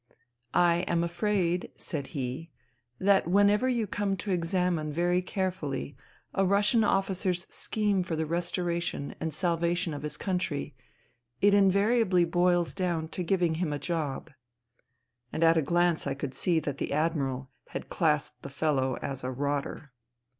" I am afraid," said he, '' that whenever you come to examine very carefully a Russian officer's scheme for the restoration and salvation of his country, it invariably boils down to giving him a job." And at a glance I could see that the Admiral had classed the fellow as a " rotter."